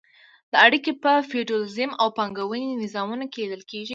دا اړیکې په فیوډالیزم او پانګوالۍ نظامونو کې لیدل کیږي.